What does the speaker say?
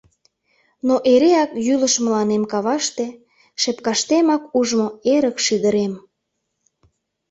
Но эреак йӱлыш мыланем каваште Шепкаштемак ужмо эрык шӱдырем.